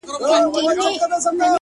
خوب كي گلونو ســـره شپـــــې تېــروم ـ